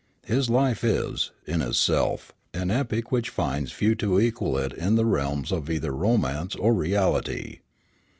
His life is, in itself, an epic which finds few to equal it in the realms of either romance or reality."